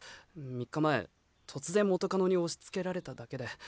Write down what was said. ３日前突然元カノに押しつけられただけで。